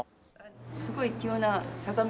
すごい急な坂道。